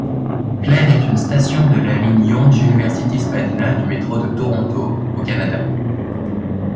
Clair est une station de la ligne Yonge-University-Spadina du métro de Toronto, au Canada.